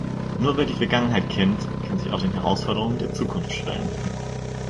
Nur wer die Vergangenheit kennt, kann sich auch den Herausforderungen der Zukunft stellen.